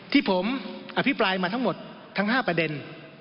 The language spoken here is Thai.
ที่ผมอภิปรายมาทั้งหมดทั้ง๕ประเด็น